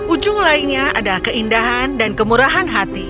ujung lainnya adalah keindahan dan kemurahan hati